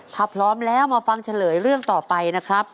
ถ้าพร้อมแล้วมาฟังเฉลยเรื่องต่อไปนะครับ